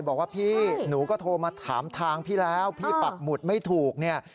บอกว่าพี่หนูก็โทรมาถามทางพี่แล้วพี่ปักหมุดไม่ถูกเนี่ย